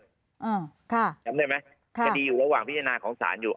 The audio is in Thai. อืมค่ะจำได้ไหมคดีอยู่วางพิจารณาของศาลอยู่